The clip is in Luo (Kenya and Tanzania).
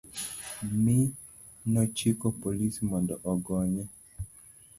mi nochiko polis mondo ogonye.